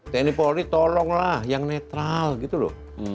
tni polri tolonglah yang netral gitu loh